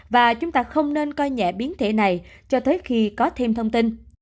và chúng ta không nên coi nhẹ biến thể này cho tới khi có thêm thông tin